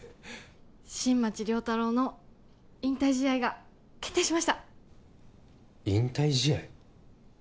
新町亮太郎の引退試合が決定しました引退試合？